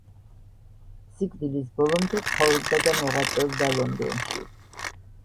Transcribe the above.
სიკვდილის ბოლომდე ცხოვრობდა და მოღვაწეობდა ლონდონში.